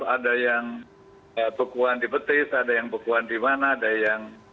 ada yang bekuan di petis ada yang bekuan di mana ada yang